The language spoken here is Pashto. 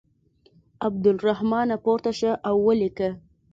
عبدالرحمانه پورته شه او ولیکه.